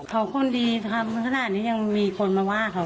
เขาคนดีทำขนาดนี้ยังมีคนมาว่าเขา